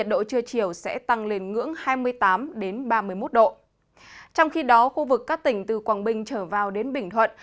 trong khi đó khu vực các tỉnh từ quảng bình trở vào đến bình thuận